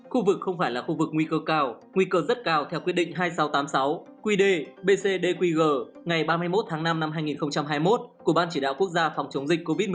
khu vực không phải là khu vực nguy cơ cao nguy cơ rất cao theo quyết định hai nghìn sáu trăm tám mươi sáu qd bcdqg ngày ba mươi một tháng năm năm hai nghìn hai mươi một của ban chỉ đạo quốc gia phòng chống dịch covid một mươi chín